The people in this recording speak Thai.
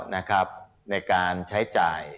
นะครับในการใช้จ่าย